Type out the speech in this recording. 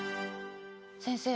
先生